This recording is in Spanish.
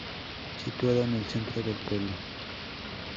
Situada en el centro del pueblo.